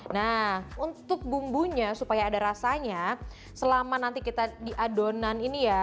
nah untuk bumbunya supaya ada rasanya selama nanti kita di adonan ini ya